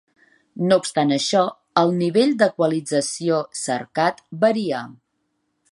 No obstant això, el nivell d'equalització cercat varia.